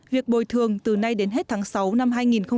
việc bồi thường từ nay đến hết tháng sáu năm hai nghìn một mươi bảy